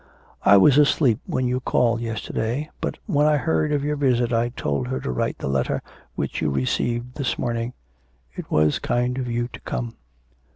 'I was asleep when you called yesterday, but when I heard of your visit I told her to write the letter which you received this morning. It was kind of you to come.'